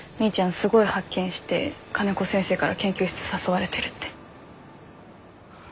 すごい発見して金子先生から研究室誘われてるって。